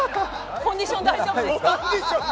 コンディション大丈夫ですか。